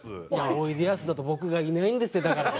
「おいでやす」だと僕がいないんですってだから。